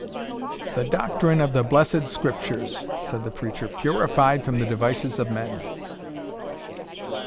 "The doctrine of the blessed Scriptures," said the preacher, "purified from the devices of men."